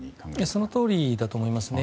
そのとおりだと思いますね。